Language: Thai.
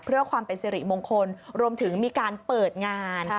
เพื่อความเป็นสิริมงคลรวมถึงมีการเปิดงาน